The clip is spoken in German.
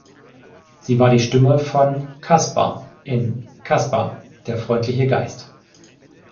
Sie war die Stimme von "Casper" in "Casper, der freundliche Geist".